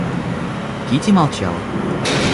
Кити молчала.